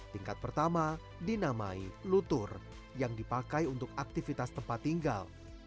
tingkat pertama dinamai lutur yang dipakai untuk aktivitas tempat tinggal